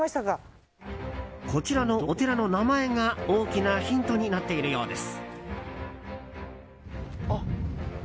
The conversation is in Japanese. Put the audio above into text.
こちらのお寺の名前が大きなヒントになっているようです。